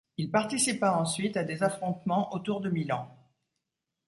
Il participa ensuite à des affrontements autour de Milan.